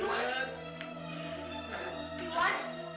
dadaku dan pembunuhku sakit